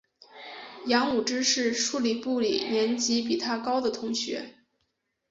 杨武之是数理部里年级比他高的同学。